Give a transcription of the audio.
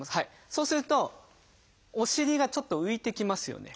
そうするとお尻がちょっと浮いてきますよね。